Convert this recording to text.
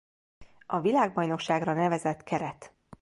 A világbajnokságra nevezett keret.